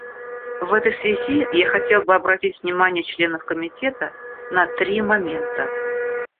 В этой связи я хотел бы обратить внимание членов Комитета на три момента.